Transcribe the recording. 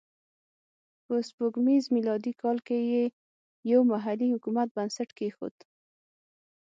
په سپوږمیز میلادي کال کې یې یو محلي حکومت بنسټ کېښود.